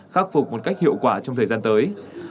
khắc phục một cách hiệu quả trong thời gian tới